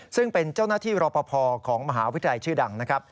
ซึ่งเป็นเจ้าหน้าที่รอปภของมหาวิทยาลัยชื่อดังนะครับ